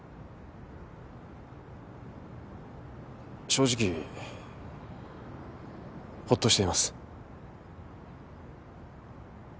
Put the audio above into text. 正直ほっとしています。